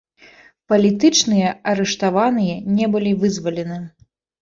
Палітычныя арыштаваныя не былі вызвалены.